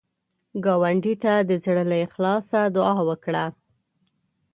ګاونډي ته د زړه له اخلاص دعا وکړه